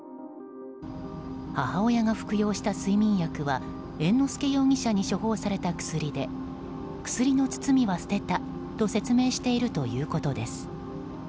母親が服用した睡眠薬は猿之助容疑者に処方された薬で薬の包みは捨てたと説明しているということです。